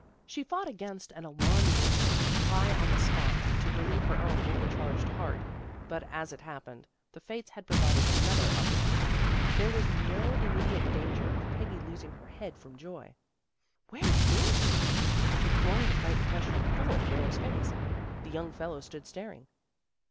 She fought against an alarming im pulse to cry on the spot, to relieve her own overcharged heart. But as it happened, the fates had provided another outlet. There was no immediate danger of Peggy's losing her head from joy. " Where's Dorothy? " She flung the frightened question full in Graham's face. The young fellow stood staring.